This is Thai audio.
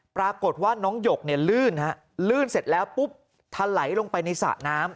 ปรากฏว่าน้องหยกเนี่ยลื่นฮะลื่นเสร็จแล้วปุ๊บทะไหลลงไปในสระน้ำ